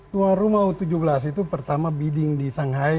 tuan rumah u tujuh belas itu pertama bidding di shanghai